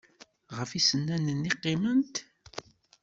Ɣef yisennanen i qqiment?